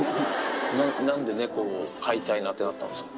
なんで猫を飼いたいなってなったんですか？